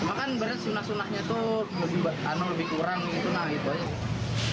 cuma kan berat sinasunahnya itu lebih kurang gitu nah gitu aja